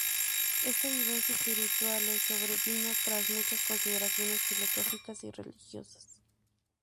Esta vivencia espiritual le sobrevino tras muchas consideraciones filosóficas y religiosas.